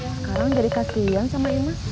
sekarang jadi kasihan sama imas